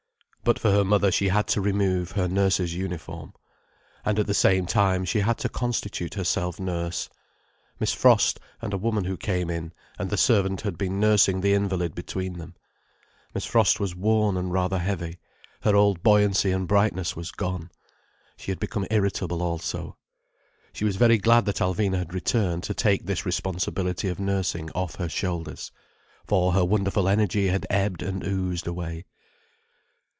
But for her mother she had to remove her nurse's uniform. And at the same time, she had to constitute herself nurse. Miss Frost, and a woman who came in, and the servant had been nursing the invalid between them. Miss Frost was worn and rather heavy: her old buoyancy and brightness was gone. She had become irritable also. She was very glad that Alvina had returned to take this responsibility of nursing off her shoulders. For her wonderful energy had ebbed and oozed away.